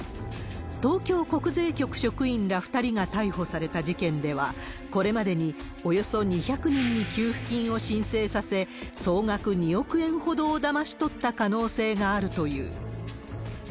東京国税局職員ら２人が逮捕された事件では、これまでにおよそ２００人に給付金を申請させ、総額２億円ほどをだまし取った可能性があるという。